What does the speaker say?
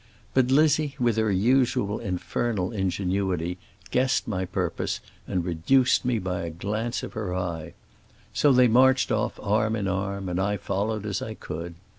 But Lizzie, with her usual infernal ingenuity, guessed my purpose and reduced me by a glance of her eye. So they marched off arm in arm, and I followed as I could.